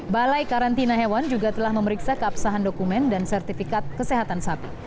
balai karantina hewan juga telah memeriksa keabsahan dokumen dan sertifikat kesehatan sapi